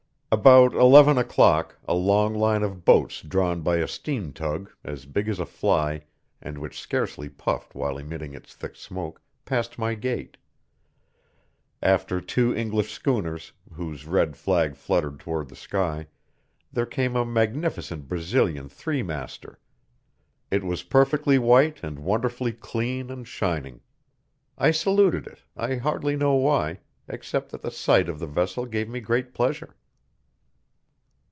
About eleven o'clock, a long line of boats drawn by a steam tug, as big as a fly, and which scarcely puffed while emitting its thick smoke, passed my gate. After two English schooners, whose red flag fluttered toward the sky, there came a magnificent Brazilian three master; it was perfectly white and wonderfully clean and shining. I saluted it, I hardly know why, except that the sight of the vessel gave me great pleasure.